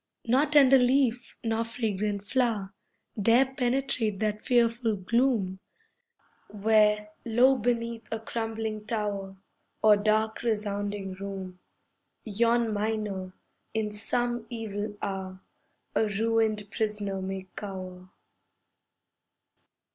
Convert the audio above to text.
Nor tender leaf nor fragrant flower Dare penetrate that fearful gloom, Where, low beneath a crumbling tower, Or dark, resounding room, Yon miner, in some evil hour, A ruined prisoner may cower.